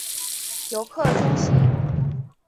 游客中心